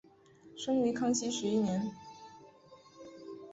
生于康熙十一年。